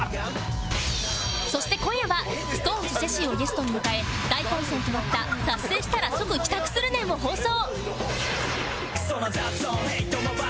そして今夜は ＳｉｘＴＯＮＥＳ ジェシーをゲストに迎え大混戦となった「達成したら即帰宅するねん」を放送